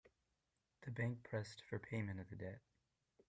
The bank pressed for payment of the debt.